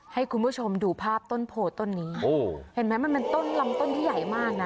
ให้คุณผู้ชมดูภาพต้นโพต้นนี้โอ้เห็นไหมมันเป็นต้นลำต้นที่ใหญ่มากนะ